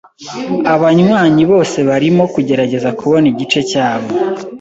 Abanywanyi bose barimo kugerageza kubona igice cyabo.